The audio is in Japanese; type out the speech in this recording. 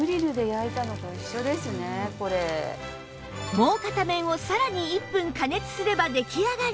もう片面をさらに１分加熱すれば出来上がり！